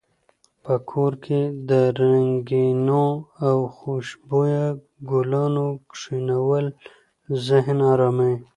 په کور کې د رنګینو او خوشبویه ګلانو کښېنول ذهن اراموي.